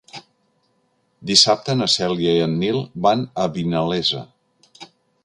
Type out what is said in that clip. Dissabte na Cèlia i en Nil van a Vinalesa.